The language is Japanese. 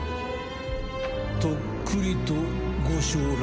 とっくりとご笑覧